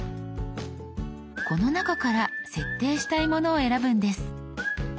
この中から設定したいものを選ぶんです。